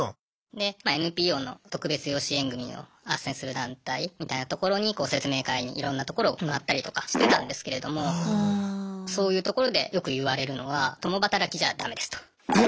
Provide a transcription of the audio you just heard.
でＮＰＯの特別養子縁組をあっせんする団体みたいなところに説明会にいろんなところを回ったりとかしてたんですけれどもそういうところでよく言われるのは共働きじゃダメですと。